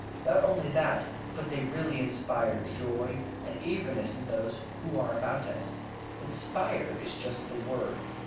Not only that, but they really inspire joy and eagerness in those who are about us. Inspire is just the word.